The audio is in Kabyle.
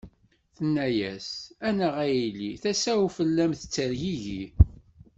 Tenna-as: A nnaɣ a yelli, tasa-w fell-am tettergigi.